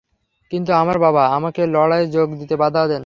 কিন্তু আমার বাবা আমাকে লড়াইয়ে যোগ দিতে বাধা দেন।